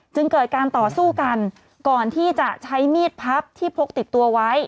จึงเกิดการต่อสู้กันก่อนที่จะใช้มีดพับที่พกติดตัวไว้